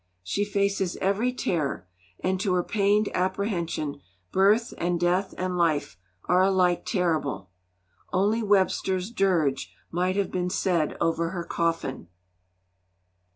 She faces every terror, and to her pained apprehension birth and death and life are alike terrible. Only Webster's dirge might have been said over her coffin.